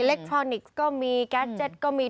เล็กทรอนิกส์ก็มีแก๊สเจ็ตก็มี